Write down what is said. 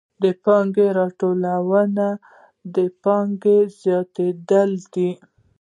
د پانګې راټولونه د پانګې زیاتېدل دي